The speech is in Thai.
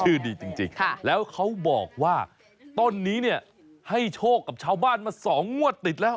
ดีจริงแล้วเขาบอกว่าต้นนี้เนี่ยให้โชคกับชาวบ้านมา๒งวดติดแล้ว